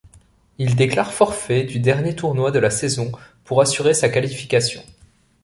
Il déclare forfait du dernier tournoi de la saison pour assurer sa qualification.